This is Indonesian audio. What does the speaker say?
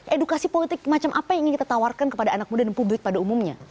edukasi politik macam apa yang ingin kita tawarkan kepada anak muda dan publik pada umumnya